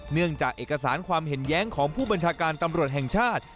เนื่องจากเอกสารความเห็นแย้งของผู้บัญชาการตำรวจแห่งชาติ